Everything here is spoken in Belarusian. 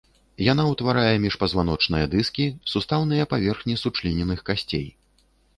Яна ўтварае міжпазваночныя дыскі, сустаўныя паверхні сучлененых касцей.